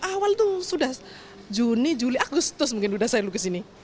awal itu sudah juni juli agustus mungkin sudah saya lukis ini